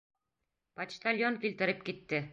Почтальон килтереп китте.